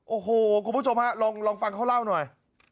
โอ้โหคุณผู้ชมฮะลองฟังเขาเล่าหน่อย